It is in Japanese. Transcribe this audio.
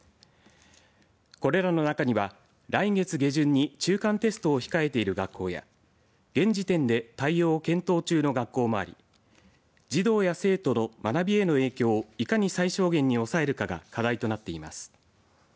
これらの中には来月下旬に中間テストを控えている学校や現時点で対応を検討中の学校もあり児童や生徒の学びへの影響をいかに最小限に抑えるかが課題となっています。